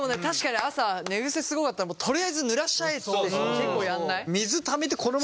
確かに朝寝ぐせスゴかったらとりあえず濡らしちゃえって結構やんない？